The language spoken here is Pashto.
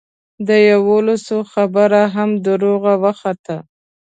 د یوولسو خبره هم دروغه وخته.